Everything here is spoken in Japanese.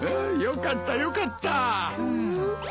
よかったよかった。